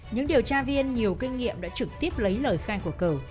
những điều tra viên nhiều kinh nghiệm đã trực tiếp lấy lời khai của cầu